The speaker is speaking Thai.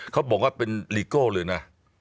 เขาบอกว่าเป็นลีโก้เลยนะ